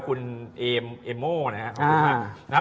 คุณเอโม่นะครับ